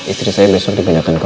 istri saya besok dipindahkan ke